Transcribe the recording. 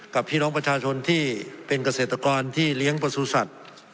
กับพี่น้องประชาชนที่เป็นเกษตรกรที่เลี้ยงประสุทธิ์